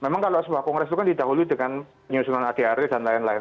memang kalau sebuah kongres itu kan didahului dengan penyusunan adrt dan lain lain